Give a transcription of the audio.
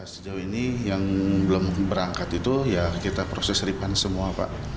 sejauh ini yang belum berangkat itu ya kita proses repan semua pak